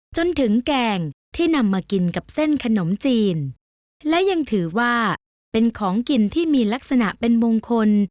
จนถึงแกงที่นำมากินกับเส้นขนมจีนและยังถือว่าเป็นของกินที่มีลักษณะเป็นมงคล